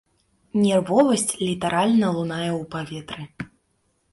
Нервовасць літаральна лунае ў паветры.